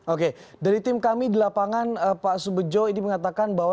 oke dari tim kami di lapangan pak subedjo ini mengatakan bahwa